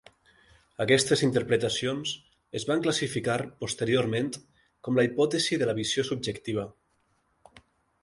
Aquestes interpretacions es van classificar posteriorment com la hipòtesi de la visió subjectiva.